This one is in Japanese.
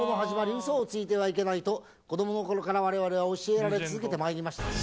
うそをついてはいけないと、子どものころから、われわれは教えられ続けてまいりました。